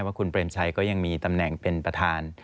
ว่าคุณเปรมชัยก็ยังมีตำแหน่งเป็นประธาน